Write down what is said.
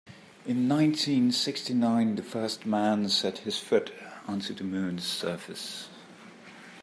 In nineteen-sixty-nine the first man set his foot onto the moon's surface.